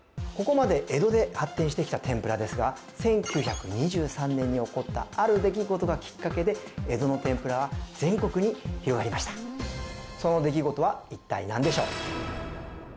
ここまで１９２３年に起こったある出来事がきっかけで江戸の天ぷらは全国に広がりましたその出来事は一体何でしょう